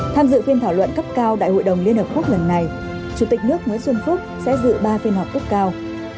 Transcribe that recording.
tham dự phiên thảo luận cấp cao đại hội đồng liên hợp quốc lần này chủ tịch nước nguyễn xuân phúc sẽ dự ba phiên họp cấp cao